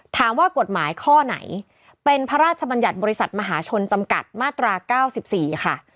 ถามว่ากฎหมายข้อไหนเป็นพระราชบัญญัติบริษัทมหาชนจำกัดมาตรา๙๔ค่ะ